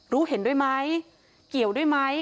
รู้เห็นด้วยไหมเกี่ยวด้วยไหม